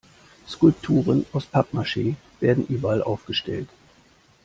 Skulpturen aus Pappmaschee werden überall aufgestellt.